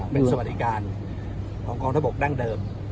เป็นสวัสดิการของกองทบกดั้งเดิม